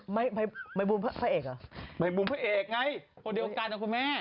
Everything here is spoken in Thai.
ไม่ใบบูมพระเอกเหรอใบบูมพระเอกไงคนเดียวกันนะคุณแม่